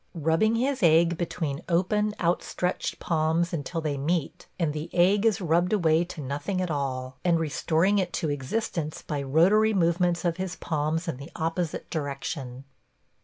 – Rubbing his egg between open, outstretched palms until they meet and the egg is rubbed away to nothing at all, and restoring it to existence by rotary movements of his palms in the opposite direction.